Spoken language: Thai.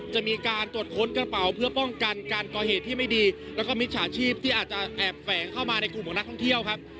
จะมีการตรวจค้นกระเป๋าเพื่อป้องกันการก่อเหตุที่ไม่ดีแล้วก็มิจฉาชีพที่อาจจะแอบแฝงเข้ามาในกลุ่มของนักท่องเที่ยวครับ